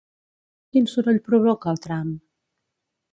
Quin soroll provoca el tram?